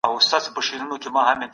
رییس څنګه غونډه اداره کوي؟